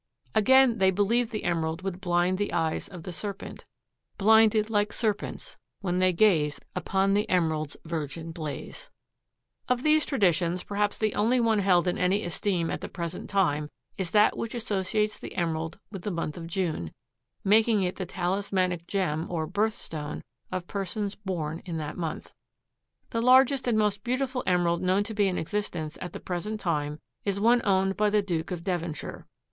Again, they believed the emerald would blind the eyes of the serpent: "Blinded like serpents when they gaze Upon the emerald's virgin blaze." —Moore. Of these traditions, perhaps the only one held in any esteem at the present time is that which associates the emerald with the month of June, making it the talismanic gem or "birth stone" of persons born in that month. The largest and most beautiful emerald known to be in existence at the present time is one owned by the Duke of Devonshire.